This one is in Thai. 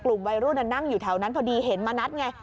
กลุ่มวัยรุ่นนั่งอยู่แถวนั้นพอดีเห็นมานัดไง